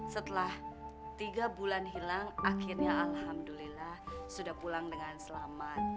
setelah tiga bulan hilang akhirnya alhamdulillah sudah pulang dengan selamat